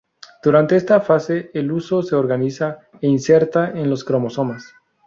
Durante esta fase el huso se organiza e inserta en los cromosomas.